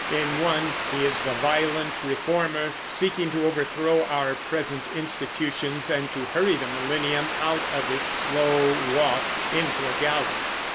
In one he is the violent reformer, seeking to overthrow our present institutions and to hurry the millennium out of its slow walk into a gallop.